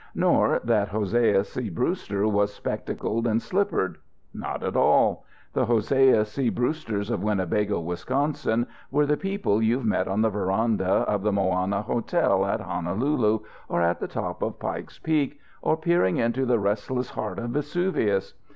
Nor that Hosea C. Brewster was spectacled and slippered. Not at all. The Hosea C. Brewsters, of Winnebago, Wisconsin, were the people you've met on the veranda of the Moana Hotel at Honolulu, or at the top of Pike's Peak, or peering into the restless heart of Vesuvius.